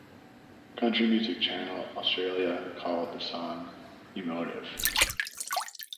Country Music Channel Australia called the song "emotive".